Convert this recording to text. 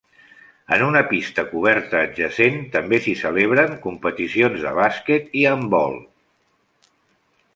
En una pista coberta adjacent també s'hi celebren competicions de bàsquet i handbol.